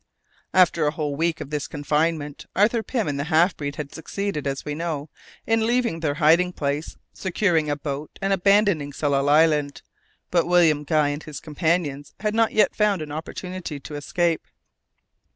After a whole week of this confinement, Arthur Pym and the half breed had succeeded, as we know, in leaving their hiding place, securing a boat, and abandoning Tsalal Island, but William Guy and his companions had not yet found an opportunity to escape.